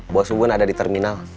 bos bubun ada di terminal